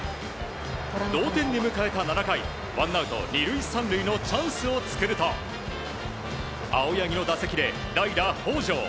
同点で迎えた７回、ワンアウト２塁３塁のチャンスを作ると青柳の打席で代打、北條。